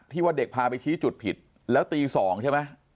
ว่าเด็กพาไปชี้จุดผิดแล้วตี๒ใช่ไหม